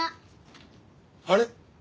あれ？